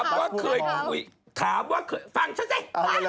ฟังฉันสิ